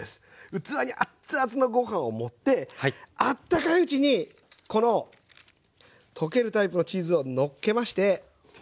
器にあっつあつのご飯を盛ってあったかいうちにこの溶けるタイプのチーズをのっけまして。